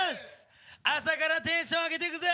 朝からテンション上げてくぜ！